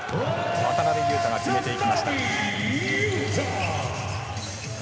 渡邊雄太が詰めていきました。